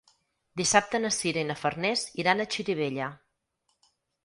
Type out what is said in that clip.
Dissabte na Sira i na Farners iran a Xirivella.